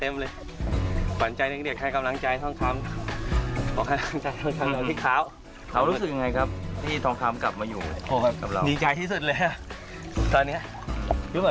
ออกทางทั้งคนที่เขา